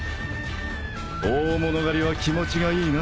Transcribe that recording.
大物狩りは気持ちがいいな。